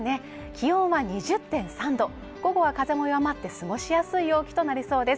気温は２０．３度、午後は風も弱まって過ごしやすい陽気となりそうです。